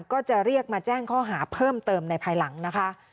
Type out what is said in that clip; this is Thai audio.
ก็จะเรียกมาแจ้งข้อหาเพิ่มเติมในภายหลังนะคะ